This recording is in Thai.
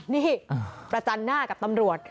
นี่ประจันหน้ากับตำรวจ